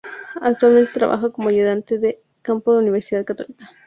Actualmente trabaja como ayudante de campo en Universidad Católica.